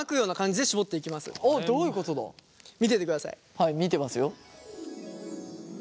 はい見てますよ。